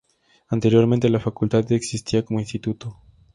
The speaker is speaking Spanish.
Anteriormente, la facultad existía como instituto.